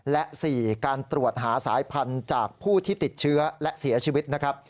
และ๔การตรวจหาสายพันธุ์จากผู้ที่ติดเชื้อและเสียชีวิตนะครับ